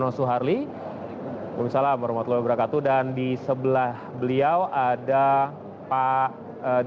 oke saya terima kasih telah mempertimbangkan terima kasih v wants